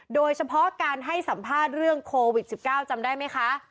โดยเฉพาะการให้สัมภาษณ์เรื่องโควิด๑๙จำได้ไหมคะ